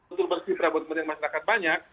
untuk bersifra buat masyarakat banyak